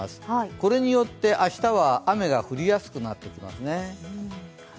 これによって明日は雨が降りやすくなってきますね。